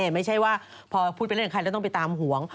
ไม่ใช่ว่าพอพุธไปเล่นกับใครแล้วต้องไปตามหวง